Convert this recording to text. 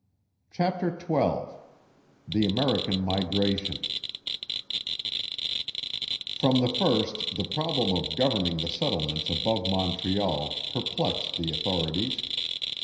CHAPTER XII THE AMERICAN MIGRATION From the first the problem of governing the settlements above Montreal perplexed the authorities.